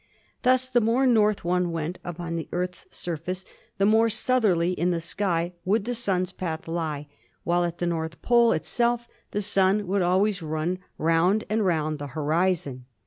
Thus the more north one went upon the Earth's surface the more southerly in the sky would the Sun's path lie, while at the north pole itself the Sun would always run round and round the horizon.